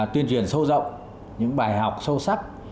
tuyên truyền sâu rộng những bài học sâu sắc